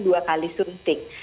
dua kali suntik